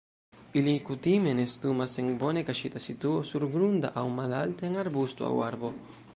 Ili kutime nestumas en bone kaŝita situo surgrunda aŭ malalte en arbusto aŭ arbo.